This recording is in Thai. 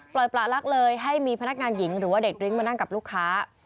ประลักเลยให้มีพนักงานหญิงหรือว่าเด็กดริ้งมานั่งกับลูกค้า